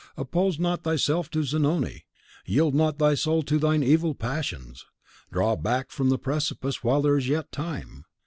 Oppose not thyself to Zanoni. Yield not thy soul to thine evil passions. Draw back from the precipice while there is yet time.